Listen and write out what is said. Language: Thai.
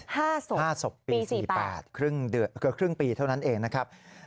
ห้าศพปี๔๘ครึ่งเดือนเกือบครึ่งปีเท่านั้นเองนะครับห้าศพปี๔๘